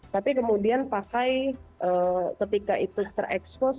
tapi kemudian pakai ketika itu terekspos